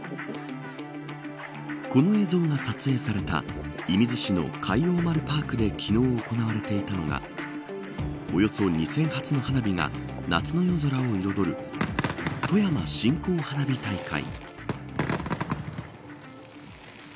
この映像が撮影された射水市の海王丸パークで昨日、行われてたのがおよそ２０００発の花火が夏の夜空を彩る富山新港花火大会。